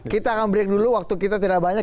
kita akan break dulu waktu kita tidak banyak